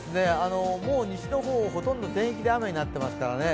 西の方、ほとんど全域で雨になっていますからね。